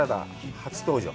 初登場。